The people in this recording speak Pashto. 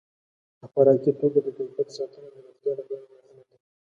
د خوراکي توکو د کیفیت ساتنه د روغتیا لپاره مهمه ده.